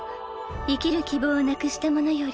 生きる希望をなくした者より